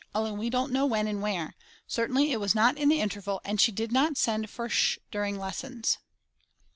only we don't know when and where; certainly it was not in the interval and she did not send for Sch. during lessons.